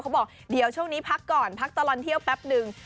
บอกเดี๋ยวช่วงนี้พักก่อนพักตลอดเที่ยวแป๊บนึง